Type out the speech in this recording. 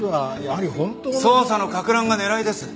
捜査のかく乱が狙いです。